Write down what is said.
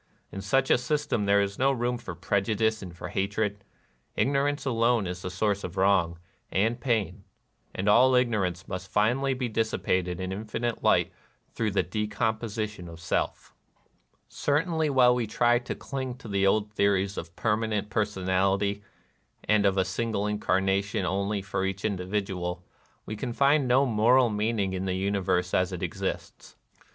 In such a system there is no room for prejudice and for hatred. Ignorance alone is the source of wrong and pain ; and all ignorance must finally be dissi pated in infinite light through the decomposi tion of Self, Certainly while we still try to cling to the old theories of permanent personality, and of a single incarnation only for each individual, we can find no moral meaning in the universe as it exists.